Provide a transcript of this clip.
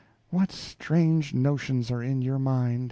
"What strange notions are in your mind?"